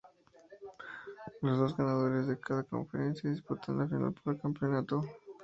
Los dos ganadores de cada conferencia disputan la final por el campeonato.